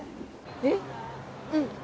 えっうん！